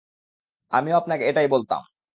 আমিও আপনাকে এটাই বলতাম।